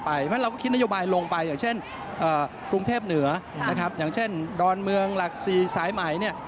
เพราะฉะนั้นเราก็คิดนโยบายลงไปเช่นบรุงเทพฯเหนืออย่างเช่นดอนเมืองหลักสีสายใหม่